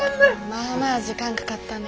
まあまあ時間かかったね。